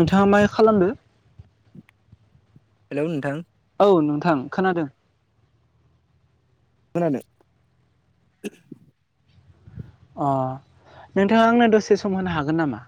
नोंथाङा मा खालामदो हेलौ नोंथां औ नोंथां खोनादों। मोनानो अ नोंथाङा आंनो दसे सम होनो हागोन नामा?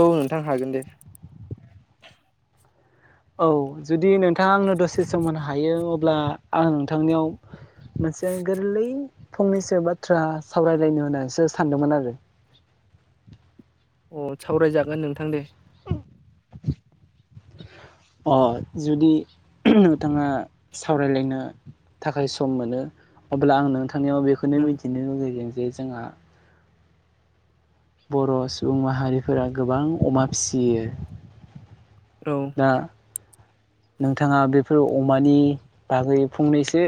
औ नोंथां हागोन दे। औ जुदि नोंथाङा आंनो दसे समान हायो अब्ला आं नोंथांनियाव मोनसे गोरलै फंनैसो बाथ्रा सावरायलायनो होननानैसो सानदोंमोन आरो अ सावरायजागोन नोंथां दे अ जुदि नोंथाङा सावरायलायनो थाखाय सम मोनो अब्ला आं नोंथांनियाव बेखौनो उम मिथिनो लुगैदों जे जोंहा बर' सुबुं माहारिफोरा गोबां अमा फिसियो र दा नोंथाङा बेफोर अमानि बागै फंनैसो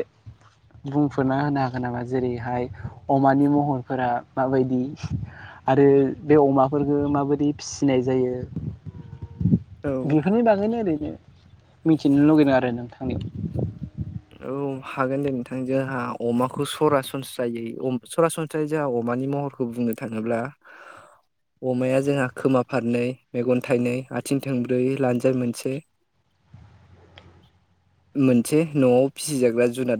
बुंफोरना होनो हागोन नामा जेरैहाय अमानि महरफोरा। माबायदि आरो बे अमाफोरफोरखौ माबायदि फिसिनाय जायो। औ बेफोरनि बागैनो ओरैनो मिथिनो लुगैदों आरो नोंथांनियाव औ हागोन दे नोंथां जोंहा अमाखौ सरासनस जायो सरासनस नाथाय जोंहा अमानि महरखौ बुंनो थाङोब्ला। [inaudible] अमाया जोंहा खोमा फारनै मेगन थाइनै आथिं थोंब्रैयै लानजाय मोनसे [inaudible] मोनसे न'आव फिसिजाग्रा जुनार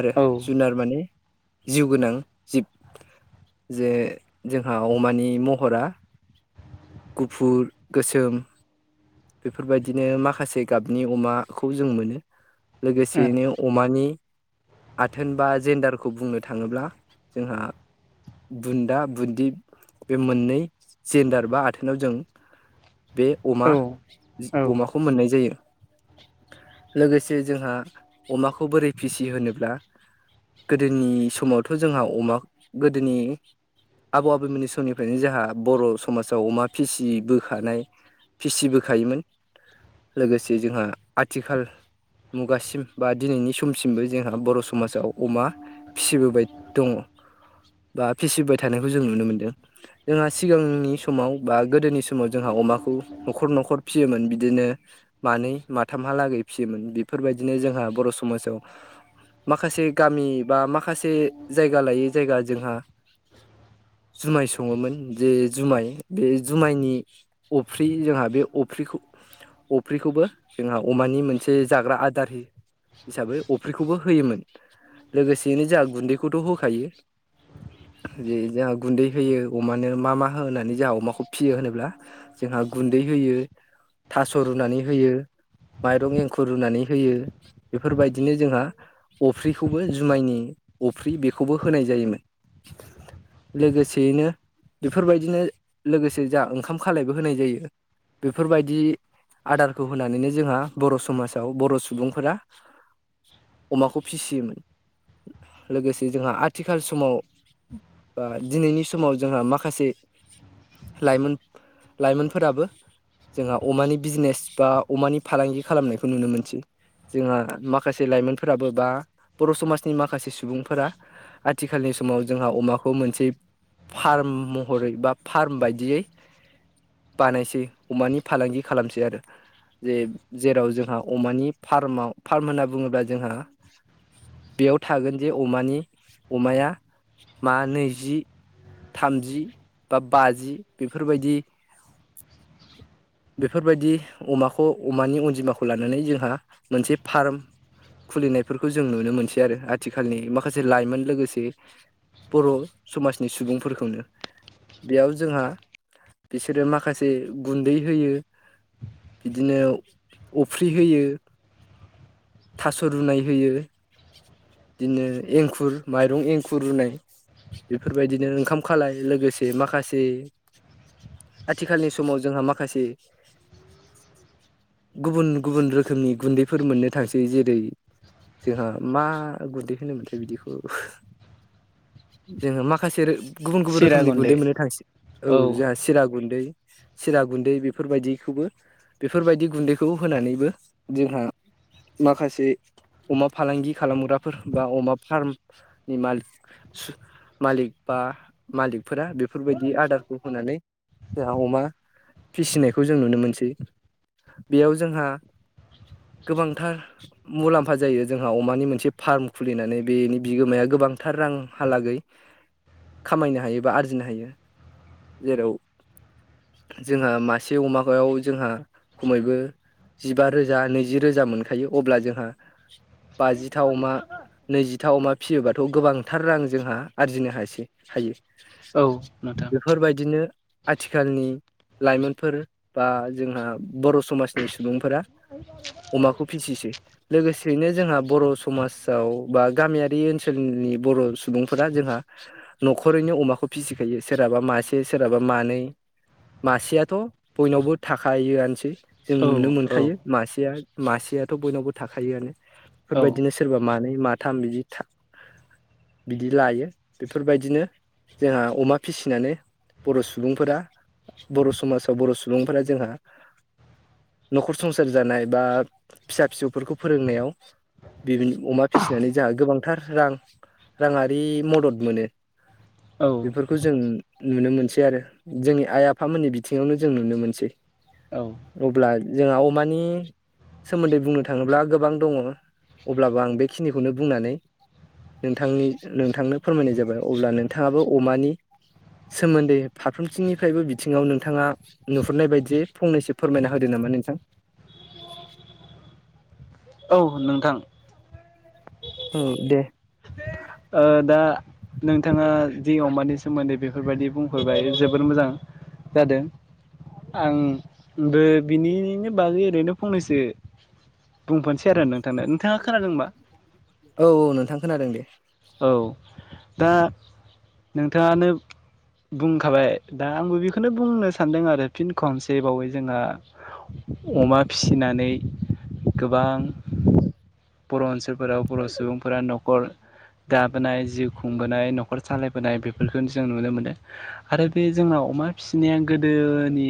आरो औ जुनार माने जिउ गोनां जिब जे जोंहा अमानि महरा गुफुर गोसोम बेफोरबायदिनो माखासे गाबनि अमाखौ जों मोनो लोगोसेैनो अमानि आथोन बा जेन्डारखौ बुंनो थाङोब्ला जोंहा बुन्दा बुन्दि बे मोननै जेन्दार बा बाथोनाव जों बे अमा औ औ अमाखौ मोननाय जायो लोगोसे जोंहा अमाखौ बोरै फिसिहोनोब्ला गोदोनि समावथ' जोंहा अमा गोदोनि आबौ आबौमोननि समनिफ्रायनो जोंहा बर' समाजाव अमा फिसि बोखानाय फिसिबोखायोमोन लोगोसे जोंहा आथिखाल मुगासिम बा दिनैनि समसिमबो जोंहा बर' समाजाव अमा फिसिबोबाय दङ बा फिसिबाय थानायखौ जों नुनो मोनदों जोंहा सिगांनि समाव बा गोदोनि समाव जोंहा अमाखौ न'खर न'खर फिसियोमोन बिदिनो मानै माथामहालागै फिसियोमोन बेफोरबायदिनो जोंहा बर' समाजाव माखासे गामि बा माखासे जायगा लायै जायगा जोंहा जुमाय सङोमोन जे जुमाय बे जुमायनि अफ्रि जोंहा बे अफ्रिखौ अफ्रिखौबो जोंहा अमानि मोनसे जाग्रा आदार होयो हिसाबै अफ्रिखौबो होयोमोन लोगोसेयैनो जोंहा गुन्दैखौथ' होखायो जे जोंहा गुन्दै होयो अमानो मा मा होनानै जोंहा अमाखौ फिसियो होनोब्ला जोंहा गुन्दै होयो थास' रुनानै होयो माइरं एंखुर रुनानै होयो बेफोरबायदिनो जोंहा अफ्रिखौबो जुमायनि अफ्रि बेखौबो होनाय जायोमोन लोगोसेयैनो बेफोरबायदिनो लोगोसे जा ओंखाम खालायबो होनाय जायो बेफोरबायदि आदारखौ होनानैनो जोंहा बर' समाजाव बर' सुबुंफोरा अमाखौ फिसियोमोन लोगोसे जोंहा आथिखाल समाव बा दिनैनि समाव जोंहा माखासे लाइमोन लाइमोनफोराबो जोंहा अमानि बिजनेस बा अमानि फालांगि खालामनायखौ नुनो मोनसै जोंहा माखासे लाइमोनफोराबो बा बर' समाजनि माखासे सुबुंफोरा आथिखालनि समाव जोंहा अमाखौ मोनसे फार्म महरै बा फार्म बायदियै बानायसै अमानि फालांगि खालामसै आरो जे जेराव जोंहा अमानि फार्माव फार्म होनना बुङोब्ला जोंहा बेयाव थागोन जे अमानि अमाया मा नैजि थामजि बा बाजि बेफोरबायदि बेफोरबायदि अमाखौ अमानि अनजिमाखौ लानानै जोंहा मोनसे फार्म खुलिनायफोरखौ जों नुनो मोनसै आरो आथिखालनि माखासे लाइमोन लोगोसे बर' समाजनि सुबुंफोरखौनो बेयाव जोंहा बिसोरो माखासे गुन्दै होयो बिदिनो अफ्रि होयो थास' रुनाय होयो बिदिनो एंखुर माइरं एंखुर रुनाय बेफोरबायदिनो ओंखाम खालाय लोगोसे माखासे आथिखालनि समाव जोंहा माखासे [inaudible] गुबुन गुबुन रोखोमनि गुन्दैफोर मोननो थांसै जेरै जोंहा मा गुन्दै होनोमोनथाय बिदिखौ जोङो माखासे गुबुन गुबुन रोखोमनि गुन्दै मोननो थांसग औ जोंहा सिरा गुन्दै सिरा गुन्दै बेफोरबायदिखौबो बेफोरबायदि गुन्दैखौ होनानैबो जोंहा माखासे अमा फालांगि खालामग्राफोर बा अमा फार्मनि मालिक मालिक बा मालिक फोर बेफोरबायदि आदारखौ होनानै जोंहा अमा फिसिनायखौ जों नुनो मोनसै बेयाव जोंहा गोबांथार मुलाम्फा जायो जोंहा अमानि मोनसे फार्म खुलिनानै बेनि बिगोमाया गोबांथार रांहालागै [inaudible] खामायनो हायो बा आरजिनो हायो जेराव जोंहा मासे अमायाव जोंहा खमैबो जिबा रोजा नैजि रोजा मोनखायो अब्ला जोंहा बाजिथाव मा नैजिथा अमा फिसियोबाथ' गोबांथार रां जोंहा आरजिनो हायासै हायो। औ नोंथां बेफोरबायदिनो आथिखालनि लाइमोनफोर बा जोंहा बर' समाजनि सुबुंफोरा अमाखौ फिसिसो। लोगोसेयैनो जोंहा बर' समाजाव बा गामियारि ओनसोलनि बर' सुबुंफोरा जोंहा हरैनो अमाखौ फिसिखायो सोरहाबा मासे सोरहाबा मानै मासेयाथ' बयनावबो थाखायोआनोसै जों औ नुनो मोनखायो मासेया मासेयाथ' बयनावबो थाखायोआनो औ बेफोरबायदिनो सोरबा मानै माथाम बिदि बिदि लायो बेफोरबायदिनो जोंहा अमा फिसिनानै बर' सुबुंफोरा बर' समाजाव बर' सुबुंफोरा जोंहा न'खर संसार जानाय बा फिसा फिसौफोरखौ फोरोंनायाव बि अमा फिसिनानै जोंहा गोबांथार रां राङारि मदद मोनो। औ बेफोरखौ जों नुनो मोनसै आरो जोंनि आइ आफामोननि बिथिङावनो जों नुनो मोनसै औ अब्ला जोंहा अमानि सोमोन्दै बुंनो थाङोब्ला गोबां दङ अब्लाबो आं बेखिनिखौनो बुंनानै नोंथांनि नोंथांनो फोरमायनाय जाबाय अब्ला नोंथाङाबो अमानि सोमोन्दै फारफ्रोमथिंनिफ्रायबो बिथिङाव नोंथाङा नुहुरनाय बायदि फंनैसो फोरमायना होदो नामा नोंथां। औ नोंथां। औ दे। ओ दा नोंथाङा जि अमानि सोमोन्दै बेफोरबायदि बुंफैबाय जोबोर मोजां जादों। आंबो बिनिनो बागै ओरैनो फंनैसो बुंफनोसै आरो नोंथांनो नोंथाङा खोनादोंबा? औ औ नोंथां खोनादों दे। औ दा नोंथाङानो बुंखाबाय दा आंबो बेखौनो बुंनो सानदों आरो फिन खनसे बावै जोंहा अमा फिसिनानै गोबां बर' ओनसोलफोराव बर' सुबुंफोरा न'खर दाबोनाय जिउ खुंबोनाय न'खर सालायबोनाय बेफोरखौ जों नुनो मोनो। आरो बे जोंनाव अमा फिसिनाया गोदोनि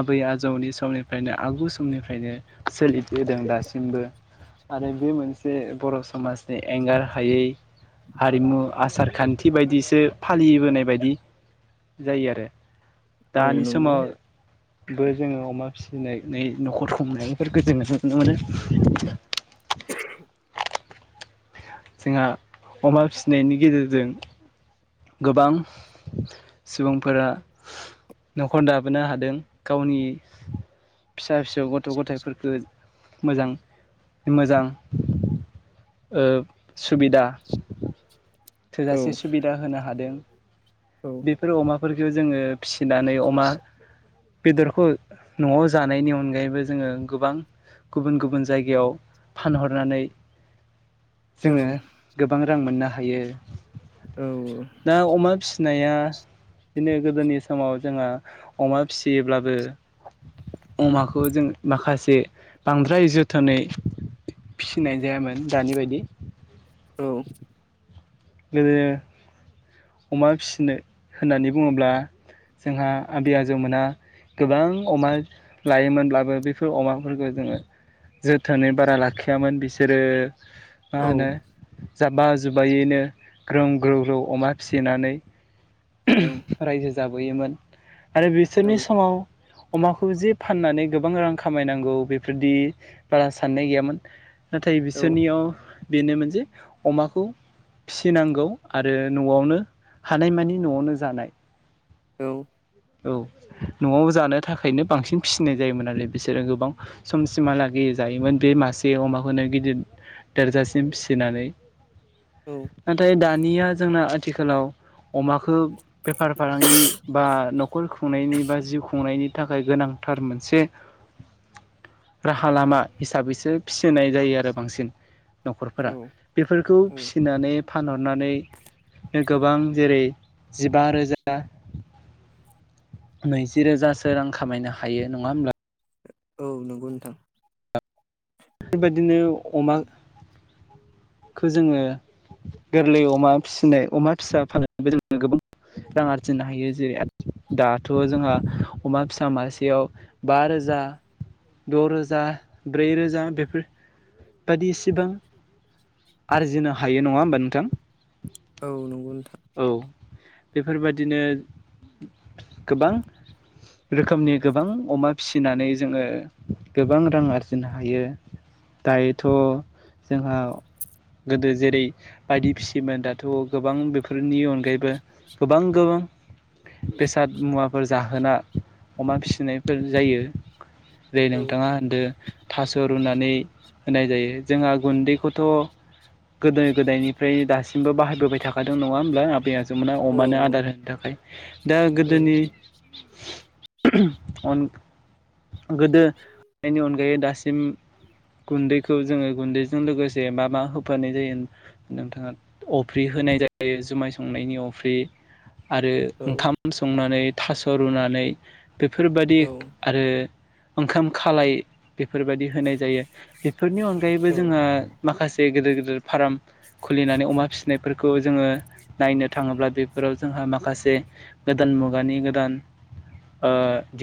आबै आजौनि समनिफ्रायनो आगु समनिफ्रायनो सोलिफदों दासिमबो आरो बे मोनसे बर' समाजनि एंगार हायै हारिमु आसार खान्थि बायदिसो फालिबोनाय बायदि जायो आरो औ दानि नंगौ समाव बो जोङो अमा फिसिनानै न'खर खुंनायफोरफोरखौ जोंङो नुनो मोनो [unintelligible] जोंहा अमा फिनायनि गेजेरजों गोबां सुबुंफोरा न'खर दाबोनो हादों गावनि फिसा फिसौ गथ' गथायफोरफोरखौ मोजां मोजां सुबिदा औ थोजासे सुबिदा होनो हादों औ बेफोर अमाफोरखौ जोङो फिसिनानै अमा बेदरखौ न'आव जानायनि अनगायैबो जोङो गोबां गुबुन गुबुन जायगायाव फानहरनानै औ जोङो गोबां रां मोननो हायो औ दा अमा फिसि फिनाया बिदिनो गोदोनि समाव जोंहा अमा फिसियोब्लाबो अमाखौ जों माखासे बांद्राय जोथोनै फिसिनाय जायामोन दानि बायदि औ गोदो अमा फिसिनो होननानै बुङोब्ला जोंहा आबै आजौमोना गोबां अमा लायोमोनब्लाबो बेफोर अमाफोरखौ जोङो जोथोनै बारा लाखियामोन बिसोरो मा औ होनो जाब्बा जुबबायैनो ग्रोम ग्रौ ग्रौ अमा फिसिनानै रायजो जाबोयोमोन आरो औ बिसोरनि समाव अमाखौ जे फाननानै गोबां रां खामायनांगौ बेफोरदि बारा साननाय गैयामोन नाथाय बिसोरनियाव बेनो मोनसेे अमाखौ फिसिनांगौ आरो न'आवनो हानायमानि न'आवनो जानाय औ औ न'आव जानो थाखायनो बांसिन फिसिनाय जायोमोन नालाय बिसोरो गोबां समसिमहालागै जायोमोन बे मासे अमाखौनो गिदिर देरजासिम फिसिनानै औ नाथाय दानिया जोंना आथिखालाव अमाखो बेफार फालांगि बा नखर न'खर खुंनायनि बा जिउ खुंनायनि थाखाय गोनांथार मोनसे राहा लामा हिसाबैसो फिसिनाय जायो आरो बांसिन न'खरफोरा औ बेफोरखौ औ फिसिनानै फानहरनानै गोबां जेरै जिबा रोजा नैजि रोजासो रां खामायनो हायो नङा होमब्ला औ नंगौ नोंथां बेबायदिनो अमा खौ जोङो गोरलै अमा फिसिनाय अमा फिसा फाननानैबो जोङो गोबां रां आरजिनो हायो जेरै दाथ' जोंहा अमा फिसा मासेयाव बा रोजा द' रोजा ब्रैरोजा बेफोर बादिसिबां आरजिनो हायो नङा होमबा नोंथां औ नंगौ नोंथां औ बेफोरबादिनो गोबां। रोखोमनि गोबां अमा फिसिनानै जोङो गोबां रां आरजिनो हायो। दायोथ' जोंहा गोदो जेरै बायदि फिसियोमोन दाथ' गोबां बेफोरनि अनगायैबो गोबां गोबां बेसाद मुवा। फोर जाहोना अमा फिसिनायफोर जायो जै औ नोंथाङा होनदो थास' रुनानै होनाय जायो जोंहा गुन्दैखौथ'। गोदो गोदायनिफ्राय दासिमबो बाहायबोबाय थाखादों नङा होमब्ला आबै आजौमोना औ अमानो आदार होनो थाखाय। दा औ गोदोनि अन गोदो गोदायनि अनगायै दासिम गुन्दैखौ जोङो गुन्दैजों लोगोसे मा मा? होफानाय जायो नोंथाङा अफ्रि होनाय जायो जुमाय संनायनि अफ्रि आरो ओंखाम संनानै थास' रुनानै बेफोरबायदि आरो ओंखाम खालाय बेफोरबायदि होनाय जायो बेफोरनि अनगायैबो औ जोङो माखासे गेदेर गेदिर फार्म खुलिनानै अमा फिसिनायफोरखौ जोङो नायनो थाङोब्ला बेफोराव जोंहा माखासे। गोदान मुगानि गोदान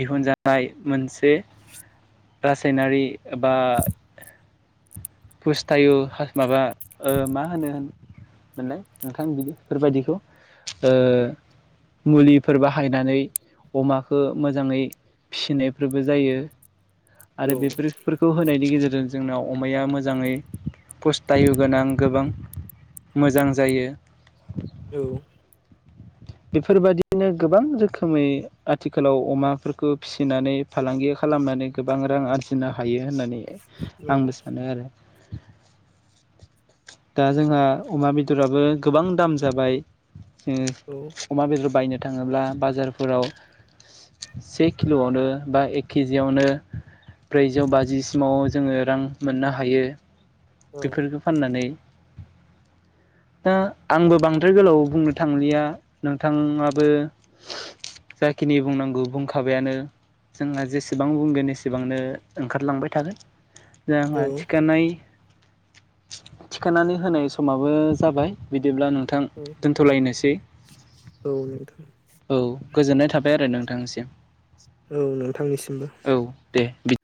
दिहुनजानाय मोनसे रासायनारि बा फुस्थायु माबा मा होनो होन मोननाय नोंथां बिफोर बायदिखौ मुलिफोर बाहायनानै अमाखौ मोजाङै फिसिनायफोरबो जायो आरो औ बेफोरफोरखौ होनायनि गेजेरजों जोंनाव अमाया मोजाङै टायु गोनां गोबां मोजां जायो। औ [inaudible] बेफोरबायादियनो गोबां रोखोमै आथिखालाव अमाफोरखौ फिसिनानै फालांगि खालामनानै गोबां रां आरजिनो हायो होननानै औ आंबो सानो आरो। दा जोंहा अमा बेदराबो गोबां दाम जाबाय। औ। अमा बेदर बायनो थाङोब्ला बाजारफोराव से किल'आवनो बा एक केजियावनो ब्रैजौ बाजिसिमाव जोङो रां मोननो हायो बेफोरखौ फाननानै दा आंबो बांद्राय गोलाव बुंनो थांलिया नोंथाङाबो। जाखिनि बुंनांगौ बुंखाबायानो जोंहा जेसेबां बुंगोन एसेबांनो ओंखारलांबाय थागोन औ जोंहा थिखानाय थिखांनानै होनाय समाबो जाबाय बिदिब्ला नों गोथां दोनथ'लायनोसै औ नोंथां औ गोजोननाय थाबाय आरो नोंथांनिसिम औ नोंथांनिसिमबो औ दे बिदि